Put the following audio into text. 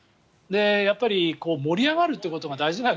やっぱり盛り上がるということが大事なわけ。